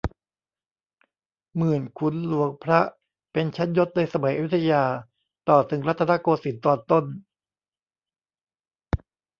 หมื่น ขุน หลวง พระ เป็นชั้นยศในสมัยอยุธยาต่อถึงรัตนโกสินทร์ตอนต้น